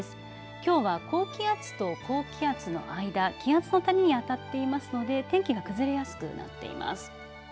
きょうは高気圧と高気圧の間気圧の谷に当たっていますので天気が崩れやすくなっています。